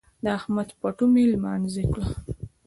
د احمد پټو مې لمانځي کړ.